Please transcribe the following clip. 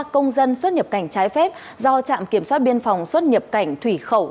ba công dân xuất nhập cảnh trái phép do trạm kiểm soát biên phòng xuất nhập cảnh thủy khẩu